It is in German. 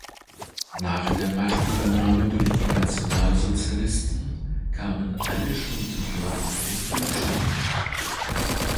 Nach der Machtübernahme durch die Nationalsozialisten kamen alle Schulbücher auf den Prüfstand.